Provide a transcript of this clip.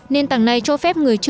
nền tảng này cho phép người chơi